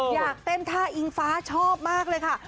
อยากเต้นท่าอิงฟ้าชอบมากเลยค่ะ